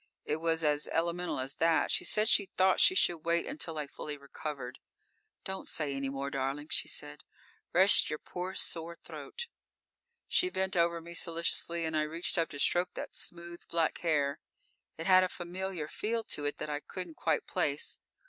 It was as elemental as that. She said she thought we should wait until I fully recovered._ "Don't say any more, darling," she said. "Rest your poor, sore throat." _She bent over me solicitously and I reached up to stroke that smooth black hair. It had a familiar feel to it that I couldn't quite place.